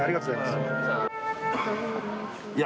いや。